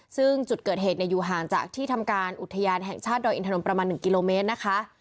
ซึ่งจุดเกิดเหตุอยู่ห่างจากที่ทำการอุทยานแห่งชาติดอยอินทนนทประมาณ๑กิโลเมตรนะคะ